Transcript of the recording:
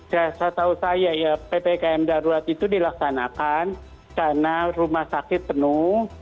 saya tahu ppkm darurat itu dilaksanakan karena rumah sakit penuh